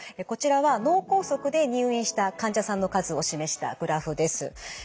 こちらは脳梗塞で入院した患者さんの数を示したグラフです。